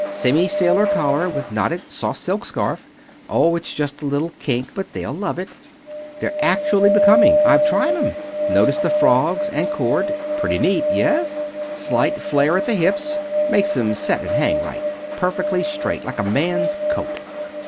Semi sailor collar, with knotted soft silk scarf. Oh, it's just a little kink, but they'll love it. They're actually becoming. I've tried 'em. Notice the frogs and cord. Pretty neat, yes? Slight flare at the hips. Makes 'em set and hang right. Perfectly straight, like a man's coat."